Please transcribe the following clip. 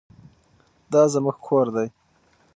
دا زموږ کور دی؟